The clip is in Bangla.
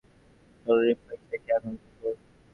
তোর রিফ্লেক্স দেখি এখনও তুখোড়।